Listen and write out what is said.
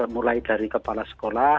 mulai dari kepala sekolah